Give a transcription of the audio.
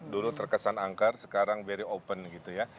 dulu terkesan angkar sekarang very open gitu ya